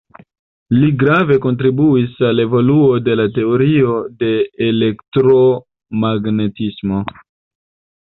Li grave kontribuis al evoluo de la teorio de elektromagnetismo.